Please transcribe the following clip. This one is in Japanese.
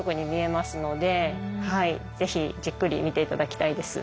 ぜひじっくり見て頂きたいです。